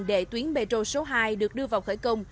để tuyến metro số hai được đưa vào khởi công